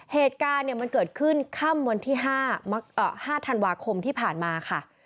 เหตุการณ์มันเกิดขึ้นค่ำวันที่๕ธันวาคมที่ผ่านมาค่ะ